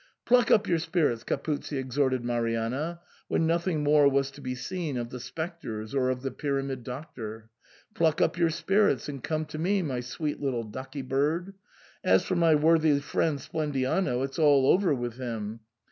" Pluck up your spirits," Capuzzi exhorted Marianna, when nothing more was to be seen of the spectres or of the Pyramid Doctor ;" pluck up your spirits, and come to me, my sweet little ducky bird ! As for my worthy friend Splendiano, it's all over with him.